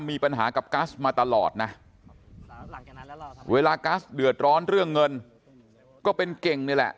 มีปัญหากับกัสมาตลอดนะเวลากัสเดือดร้อนเรื่องเงินก็เป็นเก่งนี่แหละ